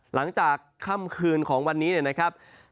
หลังจากค่ำคืนของวันนี้นะครับ